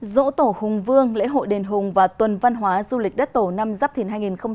dỗ tổ hùng vương lễ hội đền hùng và tuần văn hóa du lịch đất tổ năm giáp thìn hai nghìn hai mươi bốn